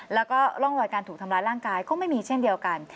แล้วก็ร่องรอยการถูกทำร้ายร่างกายก็ไม่มีเช่นเดียวกัน